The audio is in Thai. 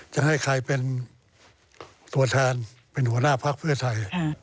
จะให้ใครเป็นตัวแทนเป็นหัวหน้าภักดิ์เพื่อไทย